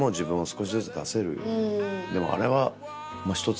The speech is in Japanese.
でもあれは。